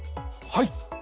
はい！